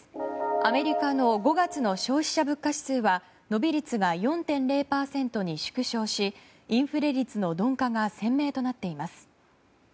アメリカの５月の消費者物価指数は伸び率が４．０％に縮小しインフレ率の鈍化が鮮明となっています。